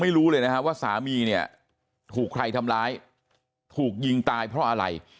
ไม่รู้เลยนะฮะว่าสามีเนี่ยถูกใครทำร้ายถูกยิงตายเพราะอะไร